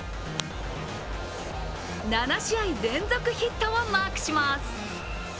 ７試合連続ヒットをマークします。